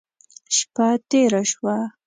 شپه تېره شوه.